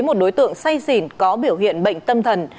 một đối tượng say xỉn có biểu hiện bệnh tâm thần